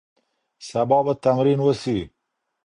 سبا به تمرین وسي.